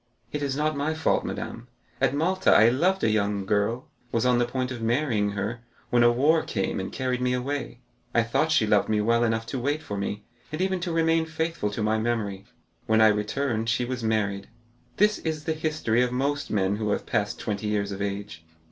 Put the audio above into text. "It is not my fault, madame. At Malta, I loved a young girl, was on the point of marrying her, when war came and carried me away. I thought she loved me well enough to wait for me, and even to remain faithful to my memory. When I returned she was married. This is the history of most men who have passed twenty years of age.